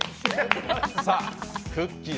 さあ、くっきー！